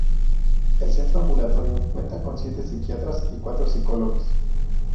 El centro ambulatorio cuenta con siete psiquiatras y cuatro psicólogos.